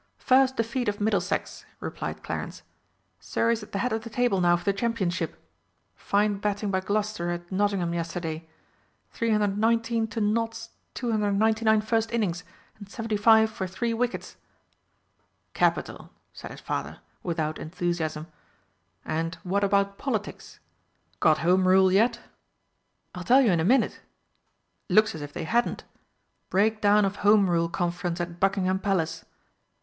"First defeat of Middlesex," replied Clarence; "Surrey's at the head of the table now for the Championship! Fine batting by Gloucester at Nottingham yesterday 319 to Notts 299 first innings, and 75 for three wickets!" "Capital!" said his father without enthusiasm, "and what about Politics? Got Home Rule yet?" "I'll tell you in a minute.... Looks as if they hadn't. Breakdown of Home Rule Conference at Buckingham Palace.